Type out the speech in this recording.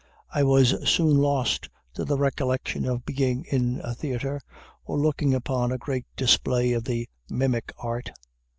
I was soon lost to the recollection of being in a theater, or looking upon a great display of the "mimic art."